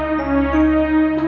akhirnya dapet gelar